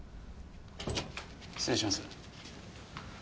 失礼します。